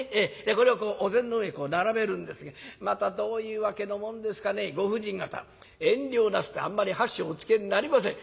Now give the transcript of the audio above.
これをお膳の上に並べるんですけどまたどういうわけのもんですかねご婦人方遠慮なすってあんまり箸をおつけになりません。